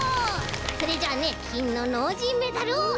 それじゃあねきんのノージーメダルをあげます！